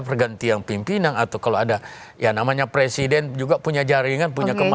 pergantian pimpinan atau kalau ada ya namanya presiden juga punya jaringan punya kemampuan